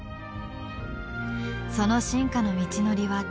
その進化の道のりは対照的。